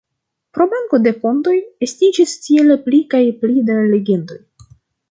Pro manko de fontoj, estiĝis tiel pli kaj pli da legendoj.